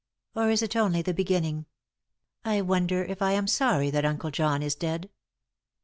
— or is it only the beginning ? I wonder if I am sorry that Uncle John is dead